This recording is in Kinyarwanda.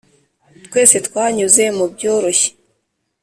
twese twanyuze mubyoroshye.